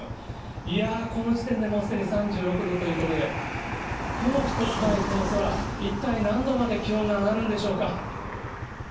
いやー、この時点でもうすでに３６度ということで、雲一つないこの空、一体何度まで気温が上がるんでしょうか。